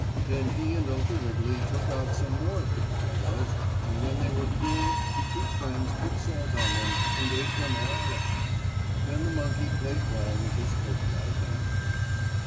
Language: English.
Then he and Uncle Wiggily took out some more of the potatoes, and when they were cool the two friends put salt on them, and ate them all up. Then the monkey played ball with his cocoanut again.